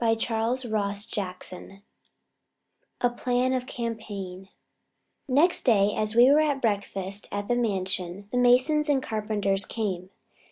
CHAPTER XIII The Plan of Campaign Next day, as we were at breakfast at the Mansion, the masons and carpenters came.